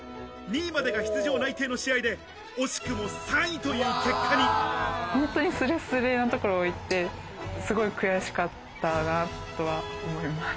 ２位までが出場内定の試合で惜しほんとに、すれすれのところをいって、すごい悔しかったなとは思います。